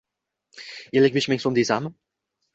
Ellik besh ming so`m, deysanmi